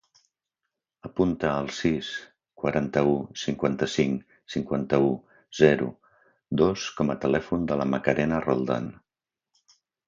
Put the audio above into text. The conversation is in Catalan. Apunta el sis, quaranta-u, cinquanta-cinc, cinquanta-u, zero, dos com a telèfon de la Macarena Roldan.